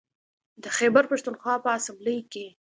د خیبر پښتونخوا په اسامبلۍ کې